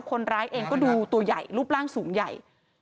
คนร้ายเองก็ดูตัวใหญ่รูปร่างสูงใหญ่